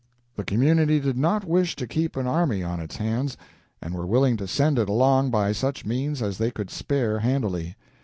The community did not wish to keep an army on its hands, and were willing to send it along by such means as they could spare handily.